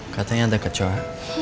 katanya ada kecoh ya